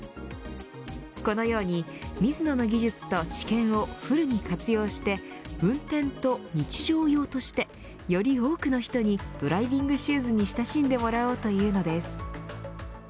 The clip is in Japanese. このようにミズノの技術と知見をフルに活用して運転と日常用としてより多くの人にドライビングシューズに親しんでもらおうというのです。